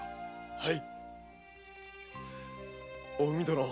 はい。